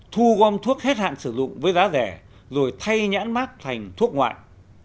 thu gom thuốc hết hạn sử dụng với giá rẻ rồi thay nhãn mát thành thuốc ngoại